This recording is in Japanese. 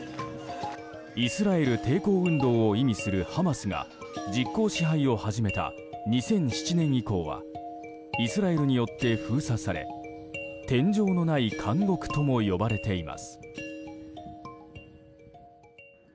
イスラエル抵抗運動を意味するハマスが実効支配を始めた２００７年以降はイスラエルによって封鎖され天井のない監獄とも呼ばれています。